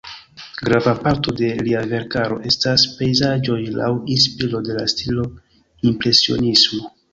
Grava parto de lia verkaro estas pejzaĝoj laŭ inspiro de la stilo impresionismo.